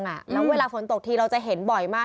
แล้วเวลาฝนตกทีเราจะเห็นบ่อยมาก